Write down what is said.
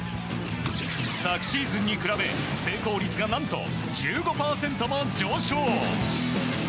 昨シーズンに比べ成功率が何と１５％も上昇。